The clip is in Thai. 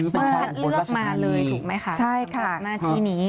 มาเลือกมาเลยถูกไหมคะในหน้าที่นี้